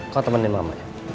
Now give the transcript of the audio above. kau temenin mamanya